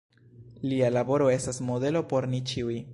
Lia laboro estas modelo por ni ĉiuj.